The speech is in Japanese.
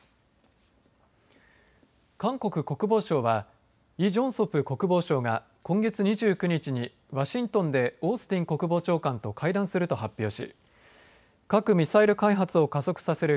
韓国国防省はイ・ジョンソプ国防相が今月２９日にワシントンでオースティン国防長官と会談すると発表し核・ミサイル開発を加速させる